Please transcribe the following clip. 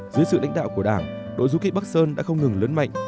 dưới sự lãnh đạo của đảng đội du kỵ bắc sơn đã không ngừng lớn mạnh